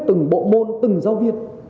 từng bộ môn từng giáo viên